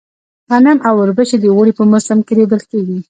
غنم او اوربشې د اوړي په موسم کې رېبل کيږي.